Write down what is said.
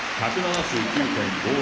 １７９．５０！